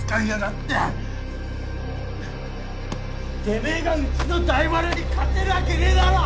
てめえがうちの大丸に勝てるわけねえだろ！